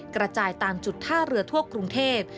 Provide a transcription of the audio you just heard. กระจายตามจุดท่าเรือทั่วกรุงเทพ